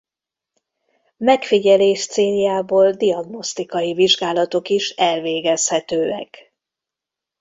Megfigyelés céljából diagnosztikai vizsgálatok is elvégezhetőek.